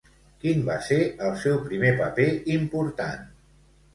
Quin va ser el seu primer paper important?